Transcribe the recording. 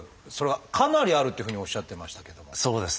それがかなりあるっていうふうにおっしゃってましたけども。